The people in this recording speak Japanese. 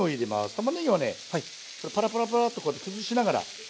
たまねぎはねパラパラパラッと崩しながら。